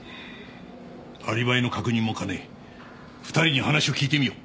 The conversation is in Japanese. アリバイの確認も兼ね２人に話を聞いてみよう。